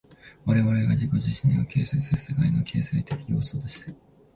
我々が自己自身を形成する世界の形成的要素として、